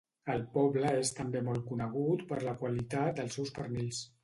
El poble és també molt conegut per la qualitat dels seus pernils.